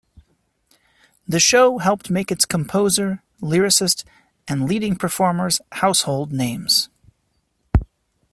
The show helped make its composer, lyricist and leading performers household names.